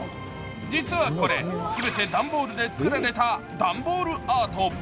実はこれ、全て段ボールで作られた段ボールアート。